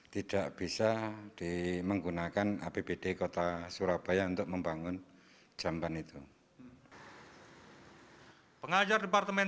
tidak bisa dimenggunakan apbd kota surabaya untuk membangun jamban itu pengajar departemen